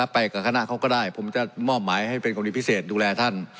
ไปกับคณะเขาก็ได้ผมจะมอบหมายให้เป็นคนดีพิเศษดูแลท่าน